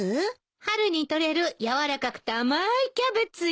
春に採れるやわらかくて甘いキャベツよ。